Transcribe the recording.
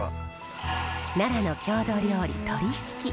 奈良の郷土料理鶏すき。